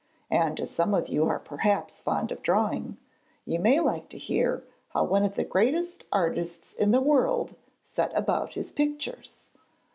And as some of you are perhaps fond of drawing, you may like to hear how one of the greatest artists in the world set about his pictures.